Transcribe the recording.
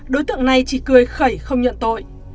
đối tượng này chỉ cười khẩy không nhận tội